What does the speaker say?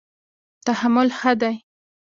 تحمل ښه دی.